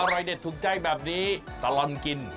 อยเด็ดถูกใจแบบนี้ตลอดกิน